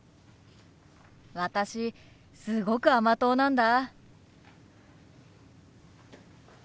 私すごく甘党なんだ。